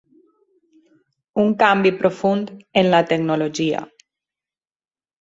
Un canvi profund en la tecnologia.